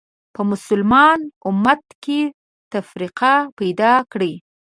په مسلمان امت کې تفرقه پیدا کړې